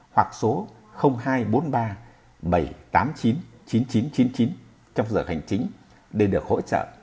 hoặc số hai trăm bốn mươi ba bảy trăm tám mươi chín chín nghìn chín trăm chín mươi chín trong giờ hành chính để được hỗ trợ